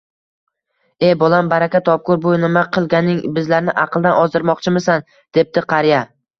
– E bolam! Baraka topkur, bu nima qilganing, bizlarni aqldan ozdirmoqchimisan? – debdi qariya.